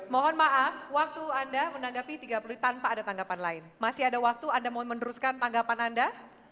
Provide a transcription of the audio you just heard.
mohon maaf waktu anda menanggapi tiga puluh menit tanpa ada tanggapan lain masih ada waktu anda mau meneruskan tanggapan anda